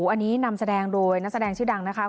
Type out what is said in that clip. อันนี้นำแสดงโดยนักแสดงชื่อดังนะคะ